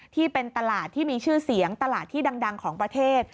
ที่เป็นตลาดที่มีชื่อเสียงตลาดที่ดังของประเทศ